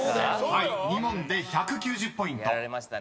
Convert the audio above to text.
［はい２問で１９０ポイント］